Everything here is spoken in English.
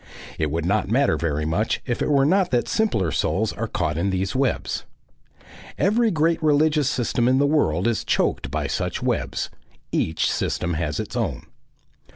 It would not matter very much if it were not that simpler souls are caught in these webs. Every great religious system in the world is choked by such webs; each system has its own.